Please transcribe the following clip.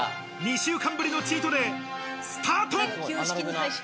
２週間ぶりのチートデイ、スタート！